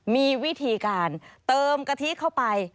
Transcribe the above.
มีวิธีการเติมกะทิเข้าไป